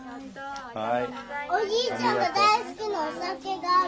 おじいちゃんが大好きなお酒がある。